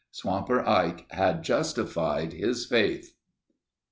Swamper Ike had justified his faith.